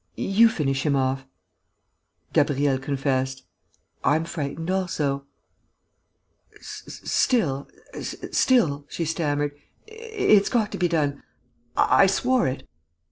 you finish him off...." Gabriel confessed: "I'm frightened also." "Still ... still," she stammered, "it's got to be done.... I swore it...."